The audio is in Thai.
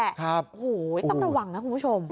โอ้โหต้องระวังนะคุณผู้ชม